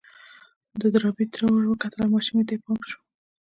د ډاربي تره ور وکتل او ماشومې ته يې پام شو.